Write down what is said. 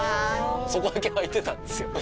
そこだけ空いてたんですよ。